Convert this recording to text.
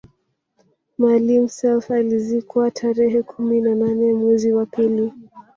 Maalim Self alizikwa tarehe kumi na nane mwezi wa pili